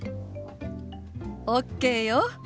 ＯＫよ。